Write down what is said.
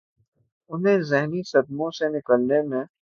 انہیں ذہنی صدموں سے نکلنے میں